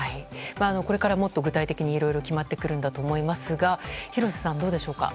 これからもっと具体的にいろいろ決まってくるんだと思いますが廣瀬さん、どうでしょうか。